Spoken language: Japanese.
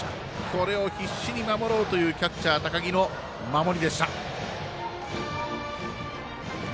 これを必死に守ろうというキャッチャー、高木の守りでした。